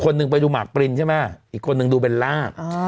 คนหนึ่งไปดูหมากปรินใช่ไหมอีกคนหนึ่งดูเบลล่า